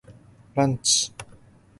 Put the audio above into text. ランチ